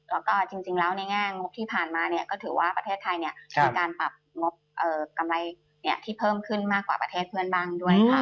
และจริงแล้วในหน้างบที่ผ่านมาประเทศไทยมีการปรับงบกำไรที่เพิ่มขึ้นมากกว่าประเทศพื้นบัง